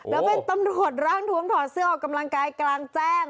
แล้วเป็นตำรวจร่างทวมถอดเสื้อออกกำลังกายกลางแจ้ง